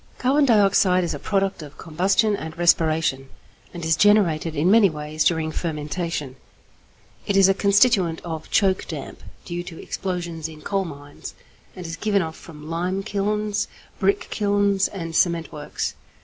= Carbon dioxide is a product of combustion and respiration, and is generated in many ways during fermentation. It is a constituent of choke damp due to explosions in coal mines, and is given off from lime kilns, brick kilns, and cement works.